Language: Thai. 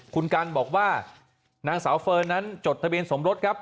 คุณกันบอกว่านางสาวเฟิร์นนั้นจดทะเบียนสมรสครับ